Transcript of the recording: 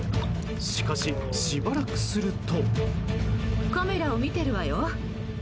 しかし、しばらくすると。